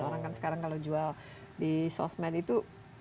orang kan sekarang kalau jual di sosmed itu